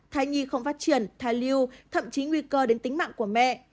thai nhi không phát triển thai lưu thậm chí nguy cơ đến tính mạng của mẹ